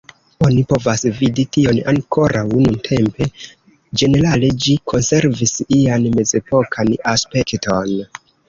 Oni povas vidi tion ankoraŭ nuntempe; ĝenerale ĝi konservis ian mezepokan aspekton.